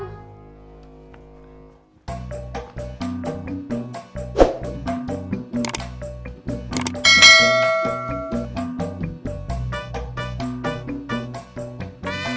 gak bisa di telfon